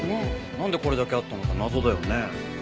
なんでこれだけあったのか謎だよね。